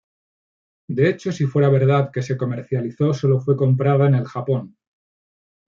De hecho, si fuera verdad que se comercializó, solo fue comprada en el Japón.